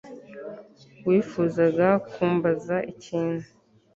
Wifuzaga kumbaza ikintu